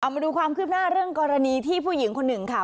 มาดูความคืบหน้าเรื่องกรณีที่ผู้หญิงคนหนึ่งค่ะ